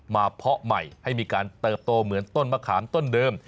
เพาะใหม่ให้มีการเติบโตเหมือนต้นมะขามต้นเดิม